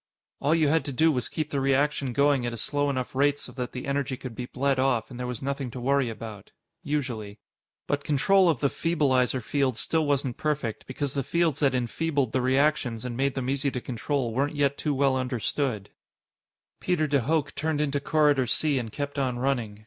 All you had to do was keep the reaction going at a slow enough rate so that the energy could be bled off, and there was nothing to worry about. Usually. But control of the feebleizer fields still wasn't perfect, because the fields that enfeebled the reactions and made them easy to control weren't yet too well understood. Peter de Hooch turned into Corridor C and kept on running.